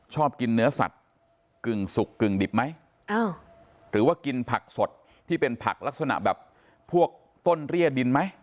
ชอบกินเนื้อสัตว์กึ่งสุกกึ่งดิบไหมหรือว่ากินผักสดที่เป็นผักลักษณะแบบพวกต้นเรียดินไหม